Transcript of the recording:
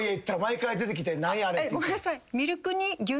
ごめんなさい。